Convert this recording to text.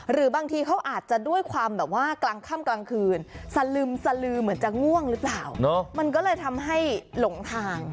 หรือบางทีเขาอาจจะด้วยความแบบว่ากลางค่ำกลางคืนสลึมสลือเหมือนจะง่วงหรือเปล่ามันก็เลยทำให้หลงทาง